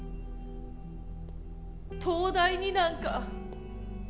東大になんか